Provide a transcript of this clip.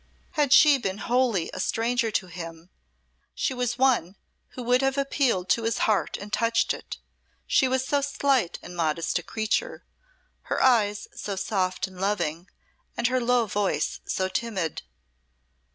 Had she been wholly a stranger to him, she was one who would have appealed to his heart and touched it, she was so slight and modest a creature, her eyes so soft and loving and her low voice so timid.